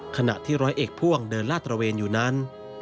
ขณะที่ร้อยเอกพ่วงเดินลาดตระเวนอยู่นั้น